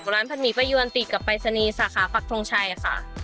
ร้านผัดมีประยวนติดกับไปรษณีย์สาขาภัคทรงชัยค่ะ